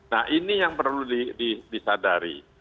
nah ini yang perlu disadari